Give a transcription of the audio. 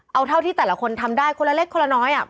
เอาเท่าที่แต่ละคนทำได้คนละเล็กคนละน้อย